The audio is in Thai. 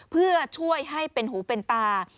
เพื่อช่วยให้เป็นหูเป็นตา